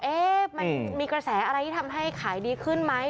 มันมีกระแสอะไรที่ทำให้ขายดีขึ้นไหม